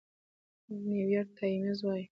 نيويارک ټايمز وايي،